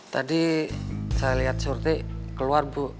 tadi saya liat surty keluar bu